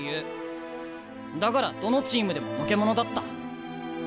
だからどのチームでものけ者だった。